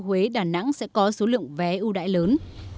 huế đà nẵng sẽ có số lượng vé ưu đại lớn